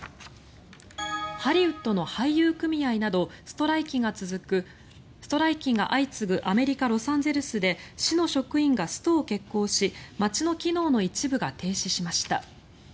ハリウッドの俳優組合などストライキが相次ぐアメリカ・ロサンゼルスで市の職員がストを決行し街の機能の一部が停止しました。